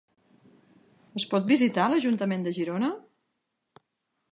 Es pot visitar l'ajuntament de Girona?